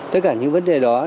tất cả những vấn đề đó